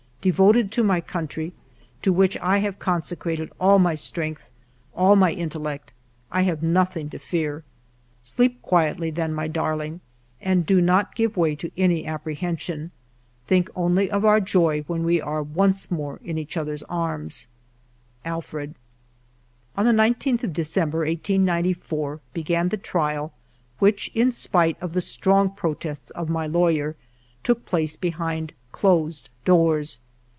Devoted to my country, to which I have consecrated all my strength, all my intellect, I have nothing to fear. Sleep quietly then, my darling, and do not give way to any apprehension. Think only of our joy when we are once more in each other's arms. Alfred." On the 19th of December, 1894, began the trial which, in spite of the strong protests of my lawyer, took place behind closed doors.